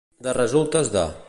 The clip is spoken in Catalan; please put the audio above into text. De resultes de.